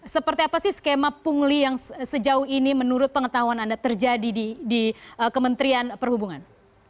seperti apa sih skema pungli yang sejauh ini menurut pengetahuan anda terjadi di kementerian perhubungan